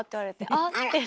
「あ！」って。